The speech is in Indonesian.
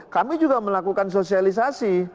kami juga melakukan sosialisasi